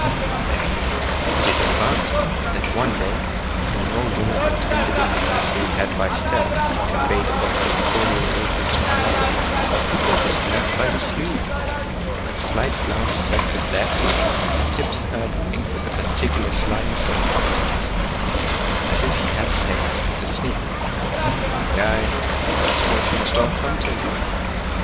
Nay, it is affirmed, that one day, when an old woman who attended in the nursery had by stealth conveyed a bottle of cordial waters to her mouth, he pulled his nurse by the sleeve, by a slight glance detected the theft, and tipped her the wink with a particular slyness of countenance, as if he had said, with a sneer, "Ay, ay, that is what you must all come to."